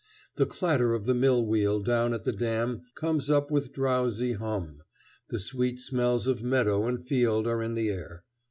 The clatter of the mill wheel down at the dam comes up with drowsy hum; the sweet smells of meadow and field are in the air.